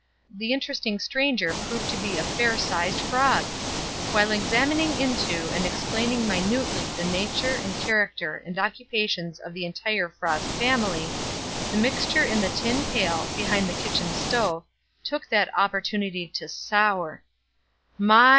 The interesting stranger proved to be a fair sized frog! While examining into, and explaining minutely the nature and character and occupations of the entire frog family, the mixture in the tin pail, behind the kitchen stove, took that opportunity to sour. My!